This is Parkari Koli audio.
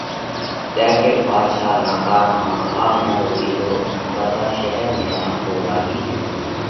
تيا ڪيڙ ڀاڌشا نقارا مانه گھا هڻيا رو ڪِيڌو ان ٻڌا شير ۾ رڻڪو واڳي ڳيو۔